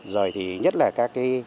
rồi thì nhất là các cái